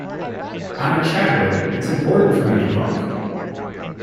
I'm a chatterer; it's important for me to talk!